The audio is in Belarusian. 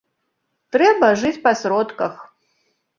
Трэба жыць па сродках.